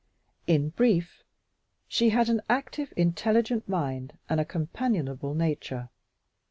In brief, she had an active, intelligent mind and a companionable nature.